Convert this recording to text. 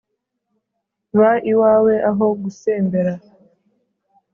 Ba iwawe aho gusembera